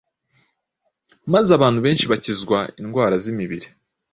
maze abantu benshi bakizwa indwara z’imibiri. “